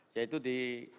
ya itu di